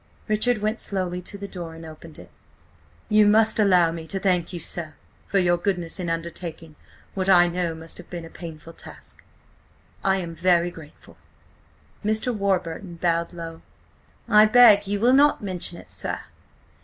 Richard went slowly to the door, and opened it. "You must allow me to thank you, sir, for your goodness in undertaking what I know must have been a painful task. I am very grateful." Mr. Warburton bowed low. "I beg you will not mention it, sir.